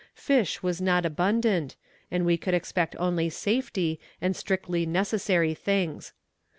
Fish was not abundant, and we could expect only safety and strictly necessary things.